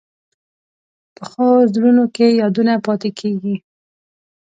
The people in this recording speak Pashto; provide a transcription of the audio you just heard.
پخو زړونو کې یادونه پاتې کېږي